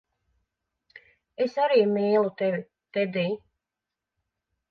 Es arī mīlu tevi, Tedij.